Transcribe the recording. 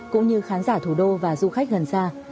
cũng như khán giả thủ đô và du khách gần xa